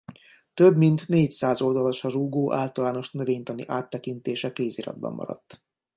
Több mint négyszáz oldalasra rúgó általános növénytani áttekintése kéziratban maradt.